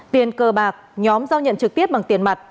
tiền cờ bạc nhóm giao nhận trực tiếp bằng tiền mặt